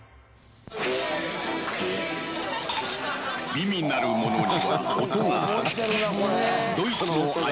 美味なる物には音がある。